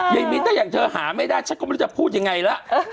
ยังมีถ้าอย่างเธอหาไม่ได้ฉันก็ไม่รู้จะพูดยังไงล่ะ